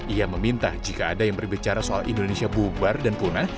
ia meminta jika ada yang berbicara soal indonesia bubar dan punah